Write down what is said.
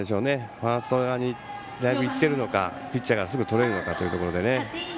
ファースト側にいっているのかピッチャーがすぐとれるのかということで。